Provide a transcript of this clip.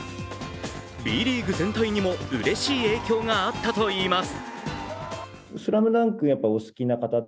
Ｂリーグ全体にもうれしい影響があったといいます。